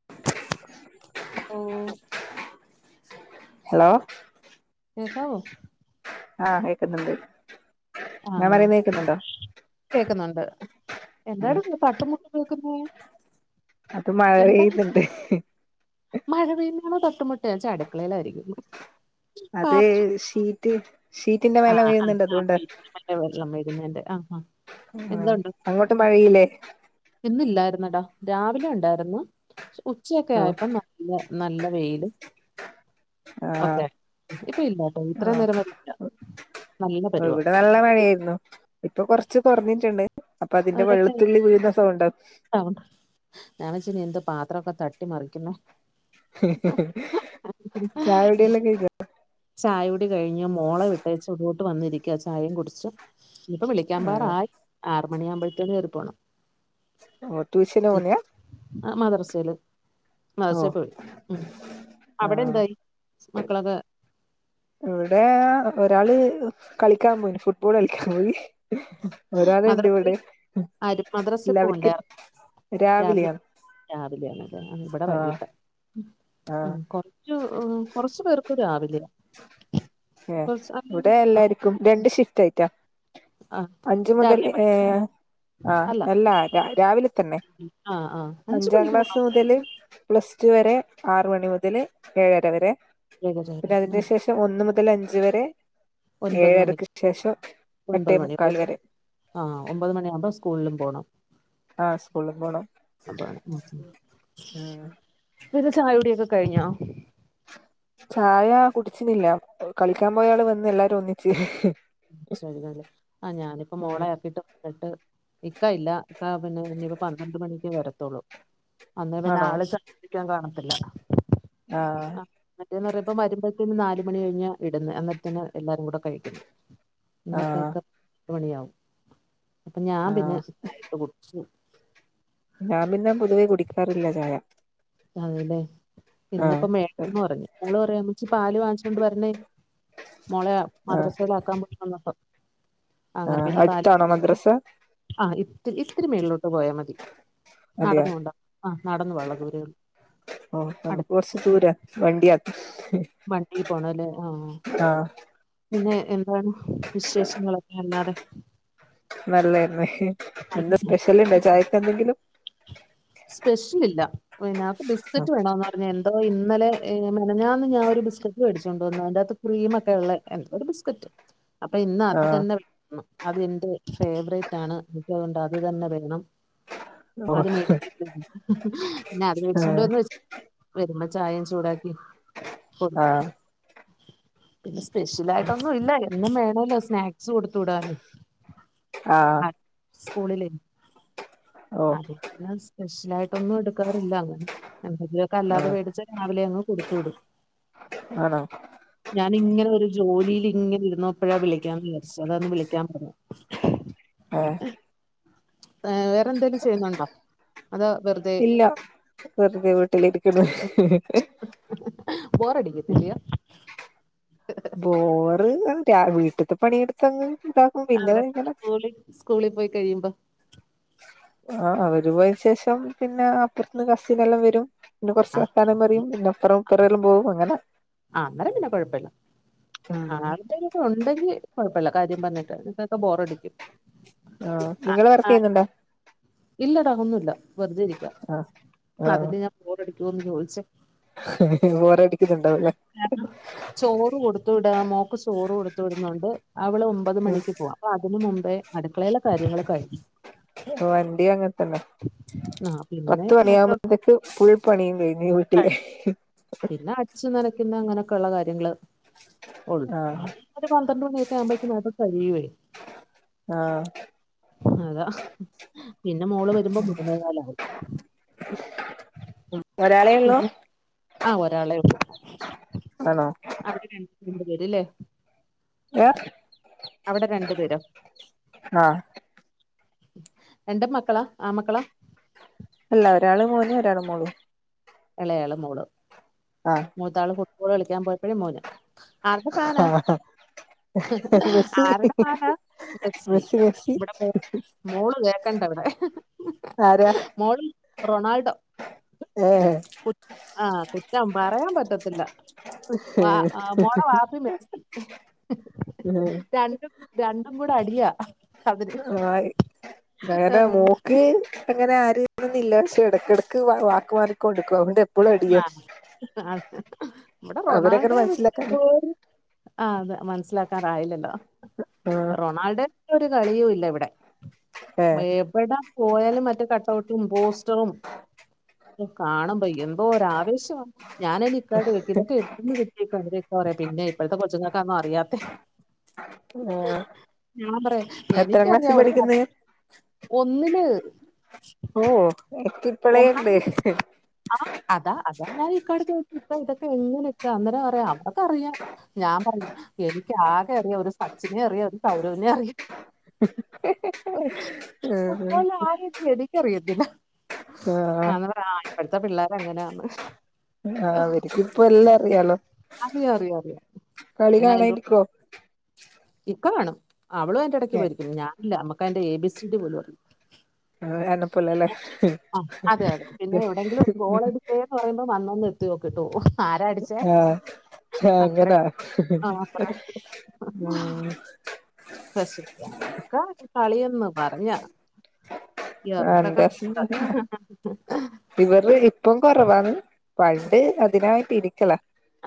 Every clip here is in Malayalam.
[inaudible] ഓ. ഹലോ. കേക്കാവൊ ആ കേക്ക്ന്നുണ്ട്. ആ കേക്ക്ന്നുണ്ട് ഉം എന്താടി തട്ടും മുട്ടും കേക്കുന്നെ അത് മഴ പെയ്‌ത്ട്ട് മഴ പെയ്യ്ന്നാണോ തട്ടും മുട്ട് ച്ചാ അട്ക്കളെലായിരിക്കുന്ന്. അത് ഷീറ്റ് ഷീറ്റിന്റെ മേലെ വീഴുന്നുണ്ട് അതുകൊണ്ട നല്ല വെള്ളം വരുന്നുണ്ട് ആ ഹാ. ആ അങ്ങോട്ട് മഴ പെയില്ലേ ഇന്ന് ഇല്ലായിരുന്നടാ രാവിലെ ഉണ്ടായിരുന്നു ഉച്ചയൊക്കെ ഓ ആയപ്പം മ ഇല്ല നല്ല വെയില് ആഹ് ഓക്കെ ഇപ്പ ഇല്ലാട്ടോ ഇത്രയും ആഹ് നേരം വരില്ല നല്ല പരുവാ. ഇവിടെ നല്ല മയേര്ന്നു ഇപ്പൊ കൊർച്ച് കൊർഞ്ഞിട്ട്ണ്ട് അപ്പൊ അതിന്റെ വെള്ളത്തുള്ളി വീഴുന്ന സൗണ്ടാ. ആവം ഞാൻ വെച്ചു നീ എന്താ പാത്രൊക്കെ തട്ടി മറിക്കുന്ന ചായുടി എല്ലം കഴ് ചായൂടി കഴിഞ്ഞു മോളെ വിട്ടേച്ച് ഇങ്ങോട്ട് വന്നിരിക്ക ചായിം കുടിച് ഇനിപ്പോ വിളിക്ക്യാം ആഹ് പോവാറായി ആറ് മണിയാവുമ്പോഴത്തേന് കേറി പോണം. ഓ ട്യൂഷന് പോവുന്നെ ആ മദറസെല് ഓ മദർസെ പോയി. ഉം അവടെ ആഹ് എന്തായി മക്കളോക്കെ ഇവടെ ഒരാള് കളിക്കാം പോയിന് ഫുട്ബോള് കളിക്കാം പോയി ഒരാള് ഇണ്ട് മദ്രസയിൽ ഇവടെ ആര് മദ്രസയിൽ പോണ്ടേ എല്ലാവര്ക്കും രാവിലെ രാവിലെ ആണ് ലെ ആ ഇവടെ ആഹ് വൈകിട്ട് ആഹ് ഉം കൊർച്ചു കോറച് പേർക്ക് രാവിലെയാ ഏ കൊറച്ച് ഇവടെ ആ എല്ലാര്ക്കും രണ്ട് ഷിഫ്റ്റ് ആയിട്ടാ ആ അഞ്ചു മുതൽ രാവിലെ വൈ ഏ ആ അല്ല അല്ലാ ര രാവിലെ തന്നെ ആ ആ അഞ്ച് അഞ്ചാം മണിക്ക് ക്ലാസ് പോണം മുതല് പ്ലസ് ടു വരെ ആറ് മണി മുതല് ഏഴര വരെ ഏഴരവരെ പിന്നെ ആ അതിന്റെ ശേഷം ഒന്ന് മുതല് അഞ്ച് വരെ ഒൻപത് മണി ഏഴരക്ക് ശേഷം എട്ടേ ഒൻപത് മു മണി ആ ഒമ്പത് മണി ആവുമ്പം സ്കൂൾലും പോണം ആഹ് സ്കൂളിൽ പോണം അപ്പ ഉം വിത് ചായ കുടി ഒക്ക കഴിഞ്ഞോ ചായ കുട്ച്ചിണില്ല കളിക്കാം പോയ ആള് വന്ന് എല്ലാരും ഒന്നിച്ച് [unintelligible] ആ ഞാനിപ്പം ഉം മോളെ ആക്കിട്ട് ബെഡ് ഇക്ക ഇല്ല ഇക്ക പിന്നെ ഇനിപ്പ പന്ത്രണ്ട് മണിക്കെ വരത്തൊള്ളൂ അന്നേ പിന്നെ ആണോ ആള് ക യിക്കാൻ കാണത്തില്ല ആഹ് ആ മറ്റേന്ന് പറിമ്പം വരുമ്പഴത്തേന് നാല് മണി കഴിഞ് ഇടുന്ന് അന്നത്തെന എല്ലാരും കൂട കഴിക്കുന്നു ആഹ് ഇന്നപ്പക്ക പത്ത് മണിയാവും അപ്പൊ ഞാൻ പിന്നെ ആഹ് ചായ ഇട്ടുകുടിച്ചു ഞാൻ പിന്നെ പൊതുവെ കുടിക്കാറില്ല ചായ അതെല്ലേ ആഹ് ഇന്നിപ്പോ മേന്ന് പറഞ്ഞു മോള് പറയാ മച്ചി പാല് വാങ്ങിച്ചോണ്ട് വരണേ മോളെ ആഹ് മദ്രസയില ആക്കാൻ പറ്റുംന്നപ്പ അങ്ങനെ ആഹ് പിന്നെ പ അടുത്താണോ മദ്രസ ആഹ് ഇ ഇത്തിരി മേളിലോട്ട് പോയാൽ മതി നടന്നുകൊണ്ട ആഹ് നടന്ന വള്ള ദൂരേ ഉള്ള ഓഹ് നമുക്ക് കൊറച്ച് ദൂര വണ്ടിയക്കും വണ്ടിക്ക് പോണം അല്ലേ ആഹ് ആഹ് പിന്നെ എന്താണ് വിശേഷങ്ങളൊക്കെ അല്ലാതെ നല്ലതന്നെ എന്താ സ്പെഷ്യല കട്ടൻ ചായക്ക എന്തെങ്കിലും സ്പെഷ്യൽ ഇല്ല പിന്നെ ബിസ്ക്കറ്റ് വേണമെന്ന് പറഞ്ഞു പിന്നെ എന്തോ ഇന്നലെ മിനിഞ്ഞാന്ന് ഞാൻ ഒരു ബിസ്ക്കറ്റ് മേടിച്ചുകൊണ്ട വന്ന അതിന്റെ അകത്തു ക്രീമൊക്കെ ഉള്ള എന്ത ഒരു ബിസ്കക്കറ്റ് [inaudible] അപ്പൊ ഇന്ന് അത് ആഹ് തന്നെ വേണം അത് എന്റെ ഫേവറേറ്റ് ആണ് എനി ക്കതുകൊണ്ട് അത് തന്നെ വേണം ഓ അത് മേടിച്ച പിന്നെ അത് ആഹ് മേടിച്ചുണ്ടോന്ന് വെ വരുമ്പോ ചായയും ചൂടാക്കി കൊടുത് സ്പെഷ്യല ആായിട്ടൊന്നും ഇല്ല എന്നും വേണല്ലോ സ്നാക്സ് കൊടുത്ത വിടും ആഹ് സ്കൂളിൽ ഓ അത സ്പെഷ്യല ആയിട്ടൊന്നും എടുക്കാറില്ല അങ്ങനെ എന്തൊക്കെ അല്ലാതെ ആഹ് പേടിച്ച ാവിലെ ഒന്ന് കൊടുത്തു വിടും ആണോ ഞാനിങ്ങനെ ഒരു ജോലിൽ ഇങ്ങനെ ഇരുന്നപ്പോഴാ വിളിക്കാന്ന് വിചാരിച്ച അതാന്ന് വിളിക്കാൻ പറഞ്ഞു ആഹ് ആഹ് വേറെന്തെങ്കിലും ചെയ്യുന്നുണ്ടോ അത വെറത ഇല്ല വെറുതെ വീട്ടിലിരിക്കുന്നു ബോറടിക്കത്തില്ലയോ ബോറ് വീട്ടത്തെ പണിയെടുത്തങ് ഇതാക്കും പിന്നെ അവരൊക്കെ ഇങ്ങനെ സ്കൂളിൽ സ്കൂളിൽ പോയി കഴിയുമ്പോ ആഹ് അവര് പോയ ശേഷം പിന്നെ അപ്പുറത്തന്ന് കസനെല്ലാം വരും പിന്നെ കുറച്ച് ആ വർത്താനം പറയും പിന്നെ അപ്പറം ഇപ്പറല്ലും പോകും അങ്ങനെ ആഹ് അന്നാല പിന്നെ കൊഴപ്പമില്ല ഉം ആഹ് ഉണ്ടെങ്കി കുഴപ്പല്ല കാര്യം പറഞ്ഞിട്ട് നിക്കൊക്കെ ബോറടിക്കും. ആഹ് ഇങ്ങള് വർക്ക് ചെയ്യുന്നുണ്ടോ? ഇല്ലെടാ ഒന്നുല്ല വെറുതെ ഇരിക്ക ആഹ് ആഹ് അതല്ലേ ഞാൻ ബോറടിക്കുമോന്ന് ചോദിച്ചേ? ബോറടിക്കുന്നുണ്ടാവുല്ലേ? ചോറ് കൊടുത്ത് വിടാ മോക്ക് ചോറ് കൊടുത്തു വിടുന്നുണ്ട് അവള് ഒമ്പത് മണിക്ക് പോവണം. അപ്പൊ അതിന് മുമ്പേ അടുക്കളയിലെ കാര്യങ്ങൾ കഴിയും. വണ്ടി അങ്ങനെത്തന്നെ ആ പിന്നെ പത്ത് മറ്റ പണിയകുമ്പോത്തേക്ക് ഫുൾ പണിയും കഴിഞ്ഞ്. വീട്ടില് പിന്നെ അടിച് നനക്കുന്നു അങ്ങനെയൊക്കെള്ള കാര്യങ്ങള്. ഒള്ളു ആഹ് അതൊക്കെ ഒരു പന്ത്രണ്ട് മണിയൊക്കെ ആവുമ്പോഴക്കും അതൊക്കെ കഴിയുമേ? ആഹ് അതാ പിന്നെ മോള് വരുമ്പോ മൂന്നേ കാലാവും. [unintelligible] ഒരാളേ ഒള്ളൂ പിന്നെ ആ ഒരാളെ ഉള്ളൂ ആണോ? അവിടെ രണ്ട്, രണ്ടു പേര്ല്ലേ? [unintelligible] അവിടെ രണ്ടു പേരോ? ആഹ് രണ്ട്മക്കളാ? ആൺ മക്കളാ? അല്ല, ഒരാള് മോനും, ഒരാള് മോളും. എളയാള് മോള്. ആഹ് മൂത്താള് ഫുട്ബോൾ കളിക്കാൻ പോയപ്പോഴ, മോന് ആരുടെ ഫാനാ? ആഹ് മെസ്സി ആരുടെ ഫാനാ, മെസ്സി ഇവിടെ മോ മോള്, കേക്കണ്ട ഇവിടെ, ആരാ മോള് റൊണാൾഡോ. ഏ കുറ്റം, ആഹ്, കുറ്റം പറയാൻ പറ്റത്തില്ല. മോൾടെ വാപ്പയും മെസ്സി രണ്ടും. രണ്ടും കൂടെ അടിയാ. അതിന് ആഹ്, ആ, അങ്ങനെ മോൾക്ക്. അങ്ങനെ ആരും വേണം എന്നില്ല. പക്ഷെ ഇടക്ക്, ഇടക്ക് വാക്ക് മാറി കൊണ്ടിരിക്കും. ആഹ്, ആഹ് ഇവിടെ അവരങ്ങനെ റൊണാൾഡോ വിട്ട് മനസ്സിലാക്കാന് ഒര്. ആഹ്, അത് മനസ്സിലാക്കാറായില്ല ല്ലോ? ആഹ് റൊണാൾഡോന്റെ ഒരു കളിയും ഇല്ല ഇവിടെ. [unintelligible] ഏഹ് എവിട, പോയാലും മറ്റേ കട്ടൗട്ടും പോസ്റ്ററും ഒക്കെ കാണുംപോ, എന്ത്. ഓ രാവേശമാ ഞാനനി. ക്ക ഇതൊക്കെ വിട്ന്ന് കിട്ടി, [unintelligible] പറ പിന്നെ ഇപ്പോഴത്തെ കൊച്ചുങ്ങക്കെ ഒന്നും അറിയാത്തെ. ആഹ് ഞാൻ പറയാ, എത്രാം ക്ലാസ്സിൽ എനിക്കറിയാം ഒരു കാര്. പഠിക്കുന്നെ ഒന്നിന്. ഓ, എടക്ക്. ഒന്നാം ക്ലാച്. ആഹ്, അതാ, അതാ ഞാൻ ഇക്കാട് ചോദിച്ചെ, ഇക്ക ഇതൊക്കെ എങ്ങനെ ഇക്ക. അന്നേരം പറയാ, അവർ ക്കറിയാം. ഞാൻ പറയും, എനിക്ക് ആകെ അറിയാം, ഒരു സച്ചിനെ അറിയാം, ഒരു സൗരവിനെ അറിയാം. ഉം ഫുട്ബോളിലെ ആരെ എനിക്കറിയത്തില്ല. ആഹ് ഞാൻ പറയ, ആഹ് ഇപ്പഴത്തെ പിള്ളേർ അങ്ങനെയാന്ന്. ആഹ്, അവർക്ക് ഇപ്പ എല്ലാം അറിയാലോ? അറിയാം അറിയാം അറിയാം കളി പിന്നെ അതിന്റെ കാണാനിരിക്കു വോ? ഇക്ക കാണും. അവളും അതിന്റെ ഇടയ്ക്ക് ഏ പോയിരിക്കും. ഞാനില്ല നമ്മക്ക് അതിന്റെ എ ബി സി ഡി പോലും, അറിയില്ല. അന്നെപ്പോലല്ലേ ആഹ്, അതെ, അതെ പിന്നെ എവിടെങ്കിലും ഗോളടിച്ചേന്ന്, പറയുമ്പോ വന്നൊന്ന്. എത്തി നോക്കിട്ടു ആരടിച്ചേ ആഹ് അത്ര അങ്ങനാ ആഹ്, അത്രേ ഒള്ളു. ഉം [unintelligible] കളി എന്ന് പറഞ്ഞ. എന്തൊക്കെ അന്റെ ഹസ്ബന്റ് [unintelligible] ഇവര് ഇപ്പം കൊറവാന്ന്. പണ്ട് അതിനായിട്ട് ഇരിക്കല.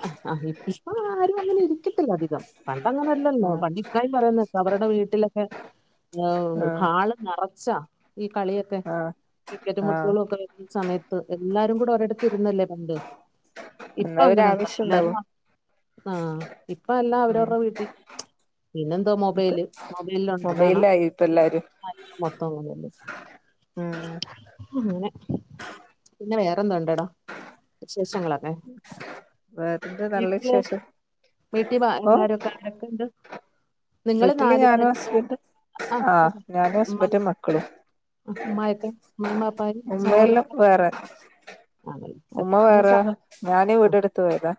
ആഹ്, അഹ് ഇപ്പൊ ആരും അങ്ങനെ ഇരിക്കത്തില്ല അധികം. പണ്ട് അങ്ങനെല്ല ല്ലോ? ഉം പണ്ട് ഇക്കായും പറയുന്നത് അവരുടെ വീട്ടിലൊക്കെ ആഹ് ഹാള് നിറച്ചാ, ഈ കളിയൊക്കെ ആഹ് ക്രിക്കറ്റും, ഫുഡ്‌ ആഹ് ബോളും ഒക്കെ ഈ, സമയത്ത് എല്ലാരും കൂടെ ഒരിടത്ത് ഇരുന്നല്ലേ? പണ്ട്. ഇപ്പൊ എന്ന ഒരു അങ്ങനെ ഉണ്ടോ ആവശ്യം. എല്ലാരും ആഹ്, ഇപ്പോ എല്ലാം ഉം അവരവരുടെ വീട്ടിൽ. പിന്നെന്തോ ഇപ്പ മൊബൈല് മൊബൈല് ഉണ്ട് കാണാം മൊബൈലായി ഇപ്പ എല്ലാരും മൊത്തം മൊബൈല് ആഹ് അങ്ങനെ പിന്നെ വേറെന്ത ഉണ്ടെടാ വിശേഷങ്ങളൊക്കെ വേറെന്താ വീട്ടില് വീട്ടിൽ ഓ എല്ലാരും ഒക്കെ ആരൊക്കെ ഉണ്ട് നിങ്ങള് വീട്ടില് നാല് ഞാനും പേരല്ലേ ഹസ്ബൻഡും ആഹ് ഞാനും ഹസ്ബൻഡും മക്കളും അമ്മയൊക്കെ അമ്മായും വാപ്പയും ഉമ്മയെല്ലാം സഹോദരനൊക്കെ വേറെ ഉമ്മ വേറെ സഹോ ഞാനേ ആ വീടെടുത്ത് പോയതാ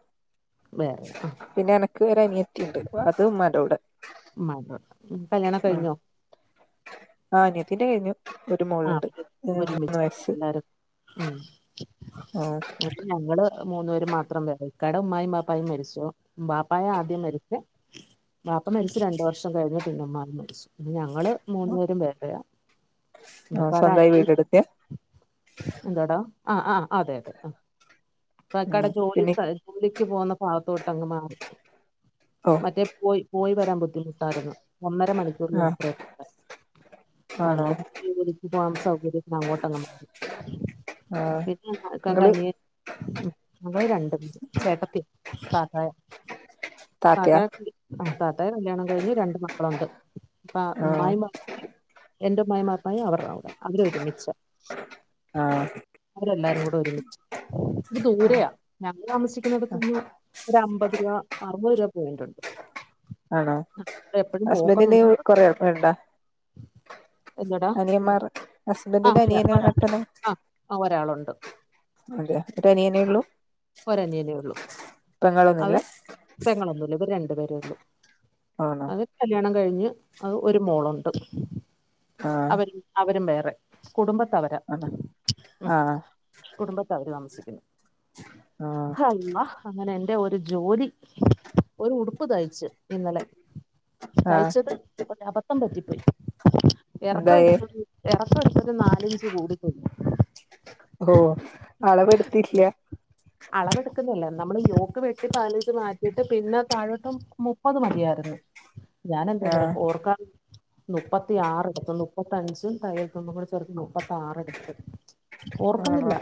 വേറെ ആ പിന്നെ എനക്ക് ഒരു അനിയത്തിയുണ്ട് അത് ഉമ്മന്റെ കൂടെ ഉമ്മന്റെ കൂടെ ഉം കല്യാണം ഒക്കെ കഴിഞ്ഞോ ആ അനിയത്തിന്റെ കഴിഞ്ഞു ഒരു ആ മോൾണ്ട് അപ്പൊ മൂന്ന് ഒരുമിച്ചല്ലേ വയസ് എല്ലാരും ഉം ഇവ്ടെ ഞങ്ങള് മൂന്നു പേര് മാത്രം വേറേ ഇക്കടെ ഉമായും ബാപ്പായും മരിച്ചു ബാപ്പായ ആദ്യം മരിച്ചെ ബാപ്പ മരിച്ചു രണ്ടു വർഷം കഴിഞ്ഞ് പിന്നെ ഉമ്മായും മരിച്ചു ഞങ്ങള് മൂന്നു പേരും വേറെയാ ആ ഇപ്പാടെ സ്വന്തമായി അനിയൻ വീട്ടെടുത്തെ എന്താടാ ആ ആഹ് അതെ അതെ ആ ഇക്കാക്കടെ ഉം ജോലി പിന്നെ ജോലിക്ക് പോന്ന ഭാഗത്തോട്ടങ്ങ് മാറി ഓ മറ്റേ പോയി പോയി വരാൻ ബുദ്ധിമുട്ടായിരുന്നു ഒന്നര മണിക്കു ആഹ് യാത്രയാ ആണോ അങ്ങനെ പിന്നെ ജോലിക്ക് പോവാൻ സൗകര്യത്തിന് അങ്ങാട്ട് അങ്ങ് മാറി ആഹ് നിങ്ങള് മകൾ രണ്ടും ചേട്ടത്തിയ താത്തായെ താത്ത താത്തയാ ആ തത്തടെ കല്യാണം കഴിഞ്ഞ് രണ്ട് മക്കളുണ്ട് ഇപ്പോ ആഹ് ഉമ്മായും വാപ്പയും എന്റെ ഉമ്മയും വാപ്പയും അവരെടെ കൂട അവര് ഒരുമിച്ച ആഹ് അവരെല്ലാരും കൂടെ ഒരുമിച്ച് ഇത് ദൂരെയ ഞങ്ങള് താമസിക്കുന്നടത്തന്ന് പിന്നെ ഒരു അമ്പത് രൂപ അറുപത് രൂപ പോയിന്റുണ്ട് ആണോ എപ്പഴും പോക്കൊന്നും ഹസ്ബന്റീന് നടക്കത്തില്ല കൊറേ ആൾക്കാരുണ്ടോ എന്തെടാ അനിയന്മാർ ആഹ് ഹസ്ബൻഡിന്റെ ഒരാ അനിയന് ഒരാൾ ഏട്ടന് ആ് ആ ഒരാളുണ്ട് അതെയോ ഒരു അനിയനെ ഉള്ളൂ ഒരനിയനേ ഉള്ളൂ അത് പെങ്ങളൊന്നുംല്ല പെങ്ങളൊന്നുല്ല ഇവര് രണ്ടു പേരേ ഉള്ളു ആണോ അത് കല്യാണം കഴിഞ്ഞ് അത് ഒരു മോളുണ്ട് ആഹ് അവരും വേറെ കുടുംബത്തവരാ ആഹ് ആഹ് കുടുംബത്ത് അവര് താമസിക്കുന്നു ആഹ് ഹള്ളാ അങ്ങനെ എന്റെ ഒരു ജോലി ഒരു ഉടുപ്പ് തയ്ച്ച് ഇന്നലെ ആഹ് തഴച്ചത് ഒരു അബദ്ധം പറ്റിപ്പോയി ഇറക്കം എന്തായി എടുത്തത് ഇറക്കം എടുത്തത് നാലഞ്ച് കൂടി പോയി ഓ അളവെടുത്തില്ല അളവെടുക്കുന്നല്ലേ നമ്മൾ യോക്ക് വെട്ടി മാറ്റിയിട്ട് പിന്നെ താഴോട്ട് മുപ്പത് മതിയായിരുന്നു ഞാൻ എന്തോ ആഹ് ചെയ്യോന്നറിയോ ഓർക്കാൻ ന്നുപ്പത്തിയാറ് ഇത് ന്നുപ്പത്ത് അഞ്ചും തയ്യൽ തുമ്പും കൂടെ ചേർത്ത് ന്നുപ്പത്താറ് എടുത്ത് ആണോ ഓർക്കുന്നില്ല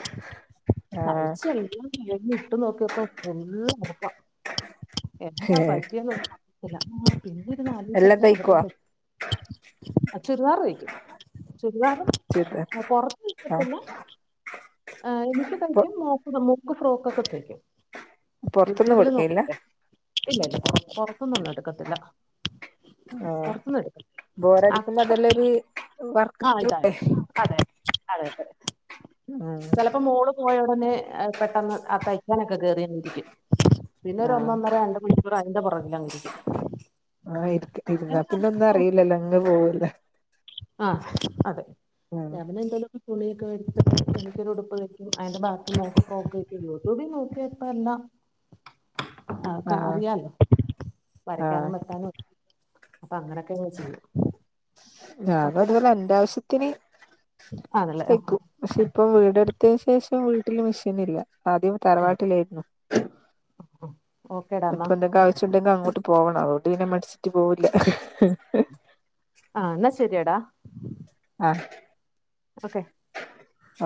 അഴിച്ച് ആഹ് എല്ലാം കഴിഞ്ഞ് ഇട്ട് നോക്കിയപ്പോ ഫുള്ള് മുറ്ക്ക എന്താ പറ്റിയെന്നു ഒന്നും അറിയത്തില്ല പിന്നെ ഇരുന്ന് എല്ലാം ആലോചിച്ചപ്പയ തയ്ക്കുവോ അബദ്ധം പറ്റിയ ആ ചുരിദാർ തയ്ക്കും ചുരിദാർ ചുരിദാ ആഹ് പൊറത്തിട്ടില്ല ഏഹ് എനിക്ക് പൊ തയ്ക്കും മോക്ക് മോക്ക് ഫ്രോക്കോക്കെ തയ്ക്കും. പൊറത്തൊന്നും യൂട്യൂബില് കൊടുക്കലില്ല നോക്കീട്ടേ. ഇല്ല ഇല്ല പൊ പൊറത്ത്ന്നൊന്നും എടുക്കത്തില്ല. ആഹ് പുറത്തുനിന്ന് എടുക്കത്തില്ല ബോറടിക്കുമ്പോ അത്ര അതെല്ലാംരു വർക്ക് ആ ചെയ്യലും ആയി. ഉം ചെലപ്പം മോള്, പോയ ഉടനെ പെട്ടെന്ന് ആഹ് തയ്ക്കാനൊക്കെ കേറി അങ്ങിരിക്കും. പിന്നെ ഒരു ആഹ് ഒന്നൊന്നര രണ്ട് മണിക്കൂർ അതിന്റെ പുറകിലങ്ങിരിക്കും. ആഹ് ഇരുത് ഇരുന്ന എന്നാ, പിന്നെ ഒന്നും അറീല്ലല്ല അങ്ങ് പോവൂല്ല. ആഹ് അതെ ഉം ഞാൻ പിന്നെ എന്തേലും. തുണിയൊക്കെ വേട്ച്ചൊക്കെ എനിക്കൊരു ഉടുപ്പ് തയ്ക്കും. അതിന്റെ ബാക്കി മോക്ക് ഫ്രോക്ക് തയ്ക്കും. യൂട്യൂബിൽ നോക്കിയാ ഇപ്പ എല്ലാം. അതൊക്ക ആഹ് അറിയാലോ ആഹ് വരയ്ക്കാനും വെട്ടാനും. അപ്പ അങ്ങനൊക്കങ്ങ് ചെയ്യും. ഞാനും ഓക്കേടാ അതുപോലെ എന്റെ ആവശ്യത്തിന് ആണല്ലേ ആ തൈക്കും. പക്ഷെ ഇപ്പം വീടെടുത്തേന് ശേഷം വീട്ടിൽ മെഷീനില്ല. അപ്പാദ്യം ആ തറവാട്ടിലേര്ന്നു. ഓക്കേടാ എന്നാ ഇപ്പന്തെങ്കെ ആവശ്യണ്ടെങ്കി അങ്ങോട്ട് പോവണം. അതോണ്ട് പിന്നെ മടിച്ചിട്ട് പോവില്ല. ആഹ് ന്നാ ശരിയെടാ. ആഹ്. ഓക്കെ.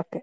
ഓക്കെ.